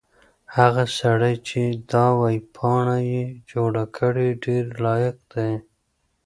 هغه سړی چې دا ویبپاڼه یې جوړه کړې ډېر لایق دی.